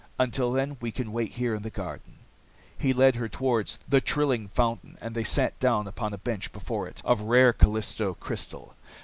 Until then, we can wait here in the garden." He led her toward the trilling fountain and they sat down upon a bench before it, of rare Callisto crystal.